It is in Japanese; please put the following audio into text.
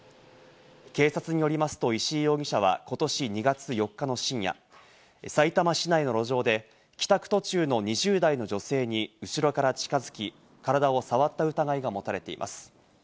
警察によりますと石井容疑者は今年２月４日の深夜、さいたま市内の路上で帰宅途中の２０代の女性に後ろから近づき、体を触った疑いが持たれています。